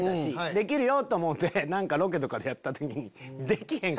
できるよ！と思うてロケとかでやった時に。